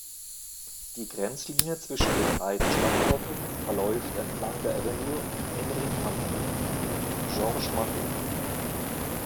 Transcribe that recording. Die Grenzlinie zwischen den beiden Stadtvierteln verläuft entlang der Avenues Henri-Martin und Georges-Mandel.